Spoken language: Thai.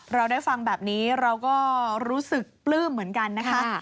เราได้ฟังแบบนี้เราก็รู้สึกปลื้มเหมือนกันนะคะ